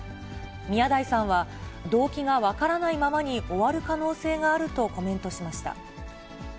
宮台さんは、動機が分からないままに終わる可能性があるとコメントしました。